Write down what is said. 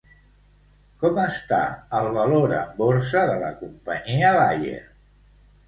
Com està el valor en borsa de la companyia Bayer?